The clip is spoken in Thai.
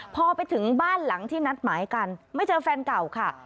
พอไปถึงบ้านหลังที่นัดหมายกันไม่เจอแฟนเก่าค่ะ